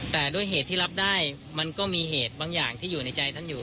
แต่ด้วยเหตุที่รับได้มันก็มีเหตุบางอย่างที่อยู่ในใจท่านอยู่